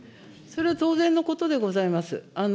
それは当然のことでございます。